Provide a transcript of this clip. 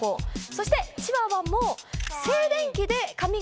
そしてチワワも。